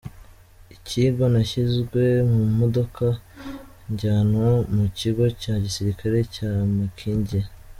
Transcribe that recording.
Ikigwa, nashyizwe mu modoka, njyanwa mu Kigo cya Gisirikare cya Makindye.